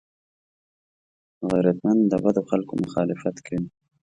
غیرتمند د بدو خلکو مخالفت کوي